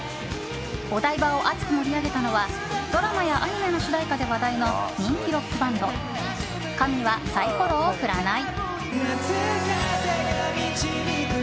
お台場を熱く盛り上げたのはドラマやアニメの主題歌で話題の人気ロックバンド神はサイコロを振らない。